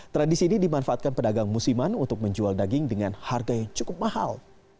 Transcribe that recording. tradisi ini dimanfaatkan pedagang musiman untuk menjual daging dengan harga yang cukup mahal